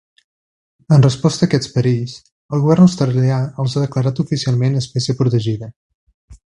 En resposta a aquests perills, el govern australià els ha declarat oficialment espècie protegida.